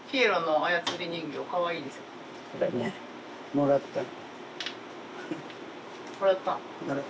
もらったの？